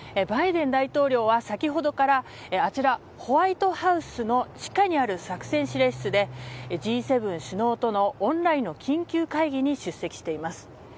バイデン大統領は先ほどからあちらホワイトハウスの地下にある作戦司令室でＧ７首脳とのオンラインの緊急会議に出席しています。